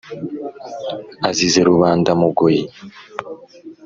azize rubamba-mugoyi.